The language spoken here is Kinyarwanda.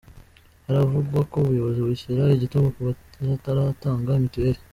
Haravugwa ko ubuyobozi bushyira igitugu ku bataratanga mitiweli